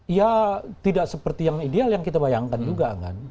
ya tidak seperti yang ideal yang kita bayangkan juga kan